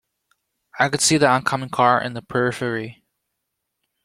I could see the oncoming car in the periphery.